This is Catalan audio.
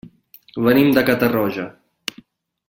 Venim de Catarroja.